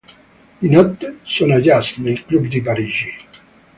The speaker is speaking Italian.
Di notte, suona jazz nei club di Parigi.